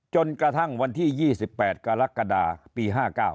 จนกระทั่งวันที่๒๘กรกฎาปี๕๙